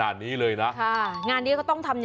มันนั้นดีนะฮะ